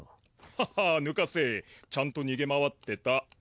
ハッハ抜かせちゃんと逃げ回ってた。